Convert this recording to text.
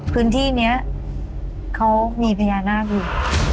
พื้นที่นี้เขามีพญานาคอยู่